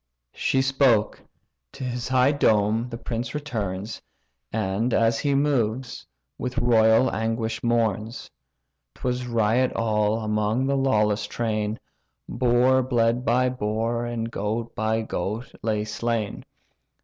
She spoke: to his high dome the prince returns, And, as he moves, with royal anguish mourns. 'Twas riot all, among the lawless train; Boar bled by boar, and goat by goat lay slain.